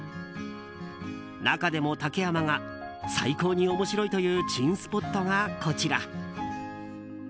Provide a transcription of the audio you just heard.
中でも竹山が最高に面白いという珍スポットがこちら。